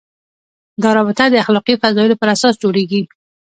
دا رابطه د اخلاقي فضایلو پر اساس جوړېږي.